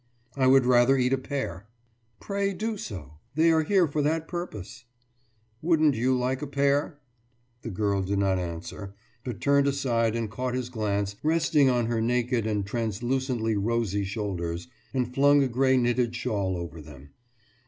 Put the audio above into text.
« »I would rather eat a pear.« »Pray do so. They are here for that purposes.« »Wouldn't you like a pear?« The girl did not answer, but turned aside and caught his glance resting on her naked and translucently rosy shoulders, and flung a grey knitted shawl over them.